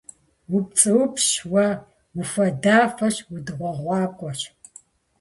- УпцӀыупсщ уэ, уфадафэщ, удыгъуэгъуакӀуэщ!